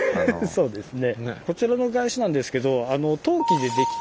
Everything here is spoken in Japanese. そうですね。